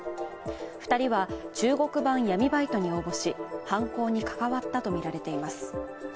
２人は中国版闇バイトに応募し犯行に関わったとみられています。